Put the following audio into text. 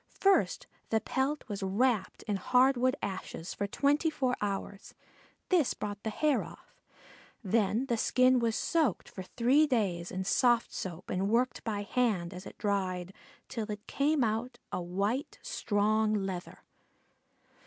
First the pelt was wrapped in hardwood ashes for twenty four hours. This brought the hair off. Then the skin was soaked for three days in soft soap and worked by hand, as it dried, till it came out a white strong leather.